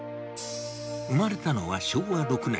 生まれたのは昭和６年。